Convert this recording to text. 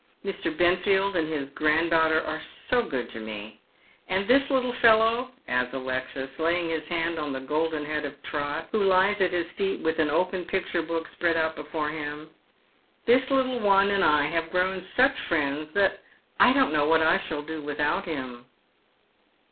Mr. Benfield and his granddaughter are so good to me ; and this little fellow," adds Alexis, laying his hand on the golden head of Trot, who lies at his feet with an open picture book Jpread out before him, " this little one and I have_ grown such friends that I don't know what I shall do without liim."